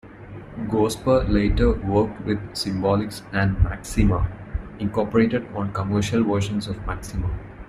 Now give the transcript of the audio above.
Gosper later worked with Symbolics and Macsyma, Incorporated on commercial versions of Macsyma.